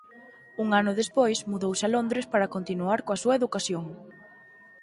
Un ano despois mudouse a Londres para continuar coa súa educación.